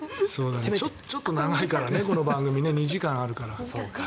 ちょっと長いからねこの番組２時間あるから。